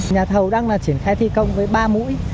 nhà thầu đang triển khai thi công với ba mũi